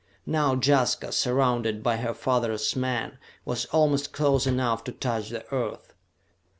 Now Jaska, surrounded by her father's men, was almost close enough to touch the Earth.